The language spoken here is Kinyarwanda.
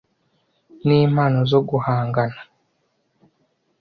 n'impano zo guhangana